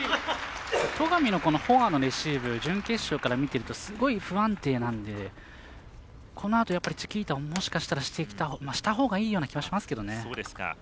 戸上のフォアのレシーブ準決勝から見ているとすごい不安定なんでこのあとチキータをもしかしたらしたほうがいいような気はしますけどね。